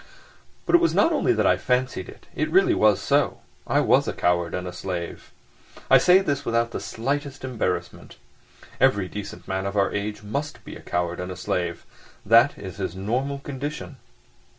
But it was not only that I fancied it, it really was so. I was a coward and a slave. I say this without the slightest embarrassment. Every decent man of our age must be a coward and a slave. That is his normal condition.